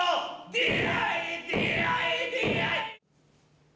出会え出会え出会え！